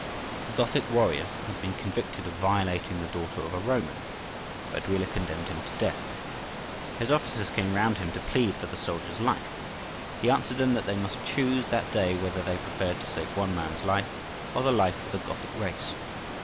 A Gothic warrior had been convicted of violating the daughter of a Roman. Baduila condemned him to death. His officers came round him to plead for the soldier's life. He answered them that they must choose that day whether they preferred to save one man's life or the life of the Gothic race.